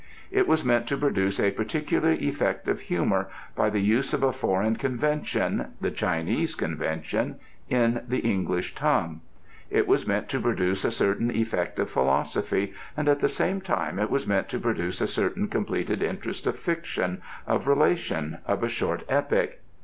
It was meant to produce a particular effect of humour by the use of a foreign convention, the Chinese convention, in the English tongue. It was meant to produce a certain effect of philosophy and at the same time it was meant to produce a certain completed interest of fiction, of relation, of a short epic.